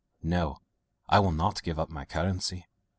No, I will not give up my curacy.